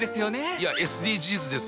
いやＳＤＧｓです。